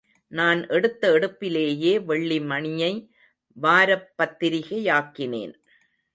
நான் எடுத்த எடுப்பிலேயே வெள்ளிமணியை வாரப் பத்திரிக்கையாக்கினேன்.